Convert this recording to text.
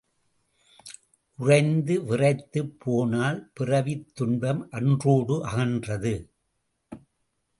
உறைந்து விறைத்துப் போனால், பிறவித் துன்பம் அன்றோடே அகன்றது.